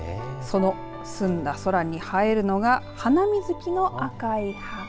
その澄んだ空に映えるのがハナミズキの赤い葉。